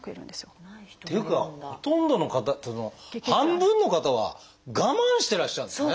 っていうかほとんどの方っていうのは半分の方は我慢してらっしゃるんですね。